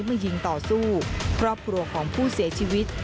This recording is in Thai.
มายิงต่อสู้ครอบครัวของผู้เสียชีวิต